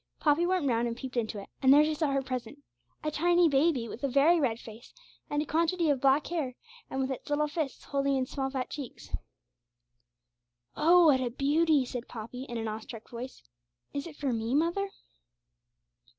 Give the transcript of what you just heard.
Poppy went round and peeped into it; and there she saw her present a tiny baby with a very red face and a quantity of black hair, and with its little fists holding its small fat cheeks. 'Oh, what a beauty!' said Poppy, in an awestruck voice. 'Is it for me, mother?'